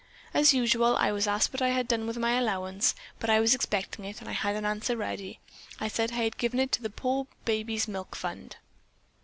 As usual, I was asked what I had done with my allowance, but I was expecting it and had an answer ready. I said that I had given it to the poor babies' milk fund."